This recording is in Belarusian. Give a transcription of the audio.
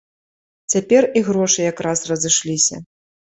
Цяпер і грошы якраз разышліся.